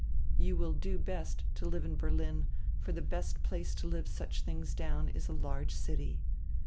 You will do best to live in Berlin, for die best place to live such tilings down is a large city.